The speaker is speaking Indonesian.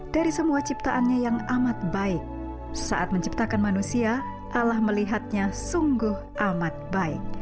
dari semua ciptaannya yang amat baik saat menciptakan manusia ala melihatnya sungguh amat baik